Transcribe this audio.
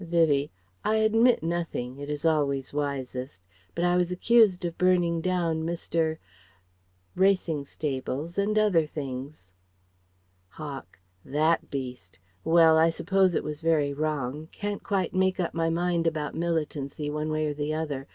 Vivie: "I admit nothing, it is always wisest. But I was accused of burning down Mr. 's racing stables and other things..." Hawk: "That beast. Well, I suppose it was very wrong. Can't quite make up my mind about militancy, one way or the other.